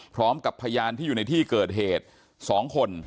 พร้อมกับพยานที่อยู่ในที่เกิดเหตุ๒คน